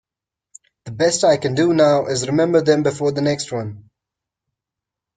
The best I can do now is remember them before the next one.